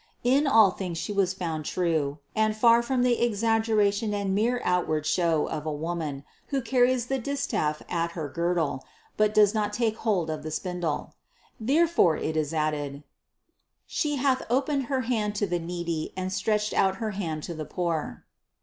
In all things She was found true, THE CONCEPTION 601 and far from the exaggeration and mere outward show of a woman, who carries the distaff at her girdle, but does not take hold of the spindle. Therefore it is added : 790. "She hath opened her hand to the needy and stretched out her hand to the poor."